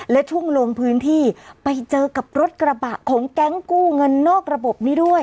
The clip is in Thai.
และช่วงลงพื้นที่ไปเจอกับรถกระบะของแก๊งกู้เงินนอกระบบนี้ด้วย